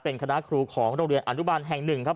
เป็นคณะครูของโรงเรียนอนุบันแห่งหนึ่งครับ